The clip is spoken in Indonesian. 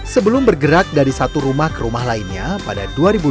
sebelum bergerak dari satu rumah ke rumah lainnya pada dua ribu dua puluh